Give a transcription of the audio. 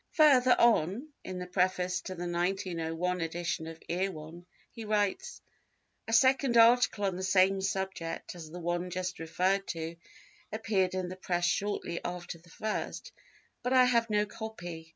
Further on in the preface to the 1901 edition of Erewhon he writes: "A second article on the same subject as the one just referred to appeared in the Press shortly after the first, but I have no copy.